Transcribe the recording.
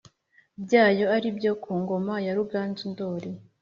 Byayo ari ibyo ku ngoma ya ruganzu ndori